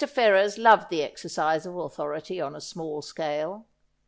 Ferrers loved the exercise of authority on a small scale.